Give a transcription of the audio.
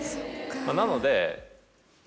なので。